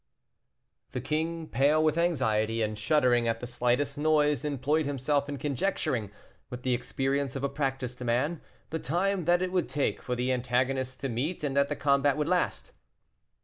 The king, pale with anxiety, and shuddering at the slightest noise, employed himself in conjecturing, with the experience of a practised man, the time that it would take for the antagonists to meet and that the combat would last.